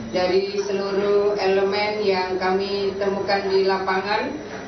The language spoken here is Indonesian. dari seluruh elemen yang kami temukan di lapangan